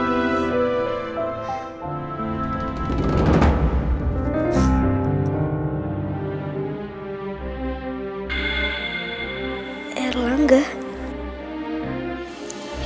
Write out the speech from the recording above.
sampai jumpa di video selanjutnya